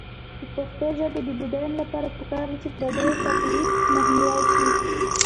د پښتو ژبې د بډاینې لپاره پکار ده چې پردیو تقلید مخنیوی شي.